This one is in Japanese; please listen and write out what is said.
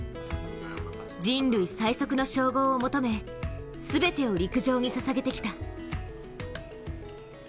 人類最速の称号を求め全てを陸上にささげてきた。